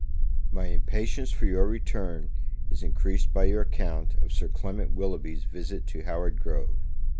My impatience for your return is increased by your account of Sir Clement Willoughby's visit to Howard Grove.